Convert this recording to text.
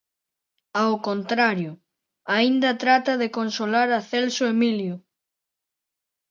Ao contrario, aínda trata de consolar a Celso Emilio.